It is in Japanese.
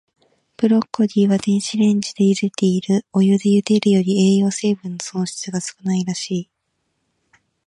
ブロッコリーは、電子レンジでゆでている。お湯でゆでるより、栄養成分の損失が少ないらしい。